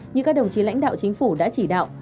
như các đồng chí lãnh đạo chính phủ đã chỉ đạo